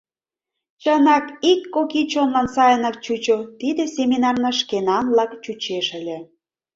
Чынак, ик-кок ий чонлан сайынак чучо, тиде семинарна шкенанлак чучеш ыле.